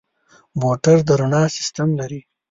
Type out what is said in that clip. موټر د رڼا سیستم لري.